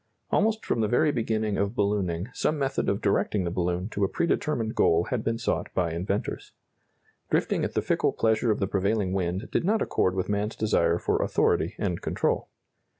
Almost from the very beginning of ballooning, some method of directing the balloon to a pre determined goal had been sought by inventors. Drifting at the fickle pleasure of the prevailing wind did not accord with man's desire for authority and control.